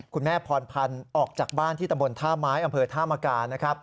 คุณแม่พรพันธุ์ออกจากบ้านที่ตำบลท่าไม้อำเภอท่ามะกา